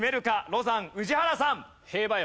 ロザン宇治原さん。